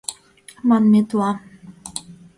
«Манметла».